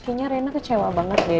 kayaknya rena kecewa banget ya